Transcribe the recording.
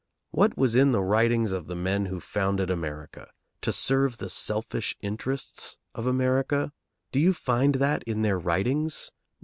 What was in the writings of the men who founded America, to serve the selfish interests of America? Do you find that in their writings?